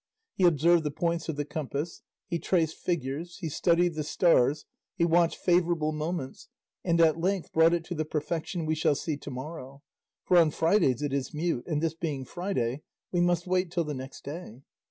He observed the points of the compass, he traced figures, he studied the stars, he watched favourable moments, and at length brought it to the perfection we shall see to morrow, for on Fridays it is mute, and this being Friday we must wait till the next day.